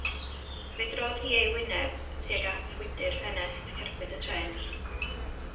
Fe drodd hi ei hwyneb tuag at wydr ffenest cerbyd y trên.